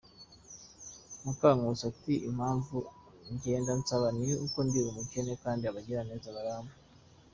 Mukankusi ati “Impamvu ngenda nsaba ni uko ndi umukene, kandi abagira neza barampa.